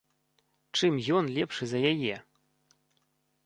Чым ён лепшы за яе?